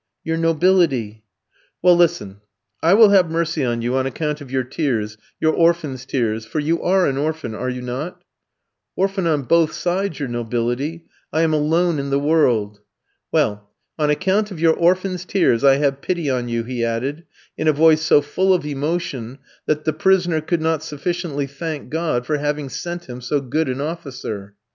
"Your nobility." "Well, listen, I will have mercy on you on account of your tears, your orphan's tears, for you are an orphan, are you not?" "Orphan on both sides, your nobility, I am alone in the world." "Well, on account of your orphan's tears I have pity on you," he added, in a voice so full of emotion, that the prisoner could not sufficiently thank God for having sent him so good an officer.